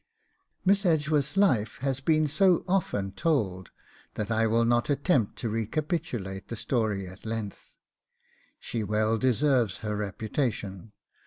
Miss Edgeworth's life has been so often told that I will not attempt to recapitulate the story at any length. She well deserved her reputation.